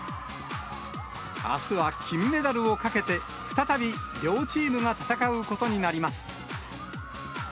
あすは金メダルを懸けて、再び両チームが戦うことになります。